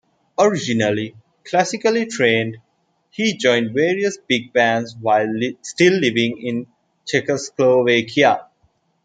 Originally classically trained, he joined various big bands while still living in Czechoslovakia.